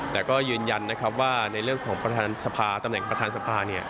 แต่ก็ยืนยันนะครับว่าในเรื่องของประธานสภาตำแหน่งประธานสภา